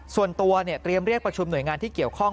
ส่วนตัวเตรียมเรียกประชุมหน่วยงานที่เกี่ยวข้อง